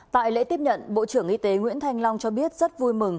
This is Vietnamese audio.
tại lễ tiếp nhận bộ trưởng y tế nguyễn thanh long cho biết rất vui mừng